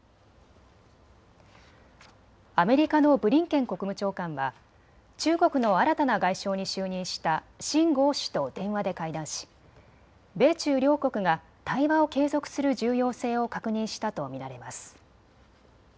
アメリカのブリンケン国務長官は中国の新たな外相に就任した秦剛氏と電話で会談し米中両国が対話を継続する重要性を確認したと見られます。